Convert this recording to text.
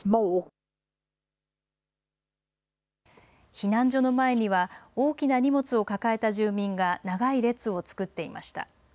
避難所の前には大きな荷物を抱えた住民が長い列を作っていました。